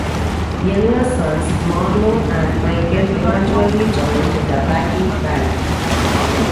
Younger sons Marlon and Michael eventually joined the backing band.